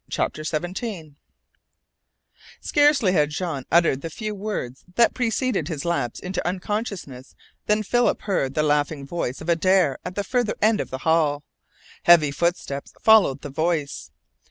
CHAPTER SEVENTEEN Scarcely had Jean uttered the few words that preceded his lapse into unconsciousness than Philip heard the laughing voice of Adare at the farther end of the hall. Heavy footsteps followed the voice.